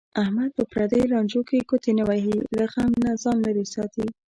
احمد په پردیو لانجو کې ګوتې نه وهي. له غم نه ځان لرې ساتي.